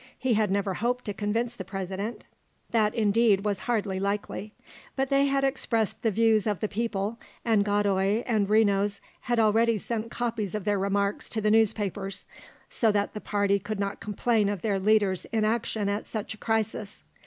He had never hoped to convince the President; that indeed was hardly likely; but they had expressed the views of the people, and Godoy and Renos had already sent copies of their remarks to the newspapers, so that the party could not complain of their leaders' inaction at such a crisis.